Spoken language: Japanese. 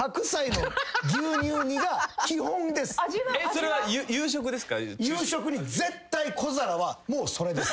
それは夕食ですか？